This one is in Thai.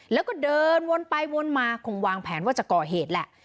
แล้วก็เดินวนไปวนมาคงวางแผนว่าจะก่อเหตุแหละ